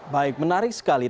baik menarik sekali